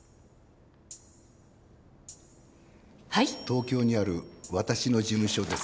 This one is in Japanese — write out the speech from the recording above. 東京にある私の事務所です。